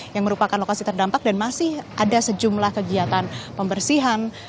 yang merupakan lokasi terdampak dan masih ada sejumlah kegiatan pembersihan